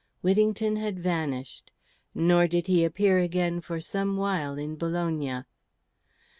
Whittington had vanished. Nor did he appear again for some while in Bologna.